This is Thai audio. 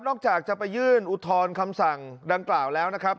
จากจะไปยื่นอุทธรณ์คำสั่งดังกล่าวแล้วนะครับ